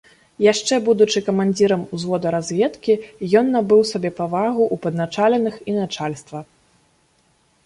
Яшчэ будучы камандзірам узвода разведкі, ён набыў сабе павагу ў падначаленых і начальства.